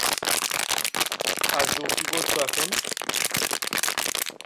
যেমনঃ পানিতে বরফ গঠন।